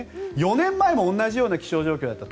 ４年前も同じような気象状況だった。